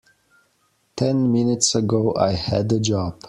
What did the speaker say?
Ten minutes ago I had a job.